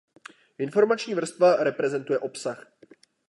Informační vrstva reprezentuje obsah.